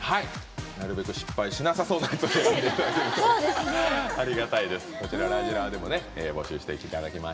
なるべく失敗しなさそうなのを選んでいただけるとありがたいですね。